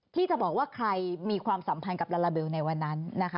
ที่จะบอกว่าใครมีความสัมพันธ์กับลาลาเบลในวันนั้นนะคะ